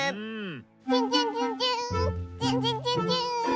チュンチュンチュンチューンチュンチュンチュンチューン。